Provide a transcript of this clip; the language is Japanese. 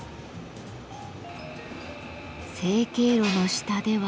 成形炉の下では。